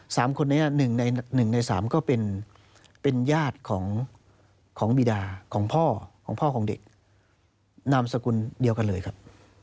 สามคนนี้หนึ่งในหนึ่งในสามก็เป็นญาติของของบีดาของพ่อของพ่อของเด็กนามสกุลเดียวกันเลยครับ